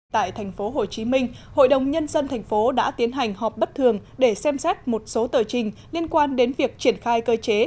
tại thành phố hồ chí minh hội đồng nhân dân thành phố đã tiến hành họp bất thường để xem xét một số tờ trình liên quan đến việc triển khai cơ chế